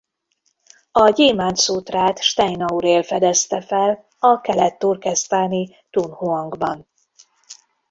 A Gyémánt Szútrát Stein Aurél fedezte fel a kelet-turkesztáni Tun-huangban.